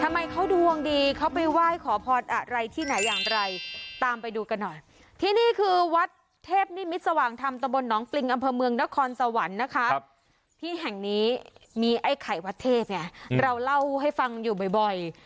มีไอ่ไขวัดเทพเนี้ยเราเล่าให้ฟังอยู่บ่อยบ่อย